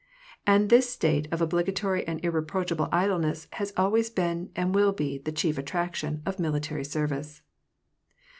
And this state of obligatory and irreproachable idle ness always has been and will be the chief attraction of mili tary service.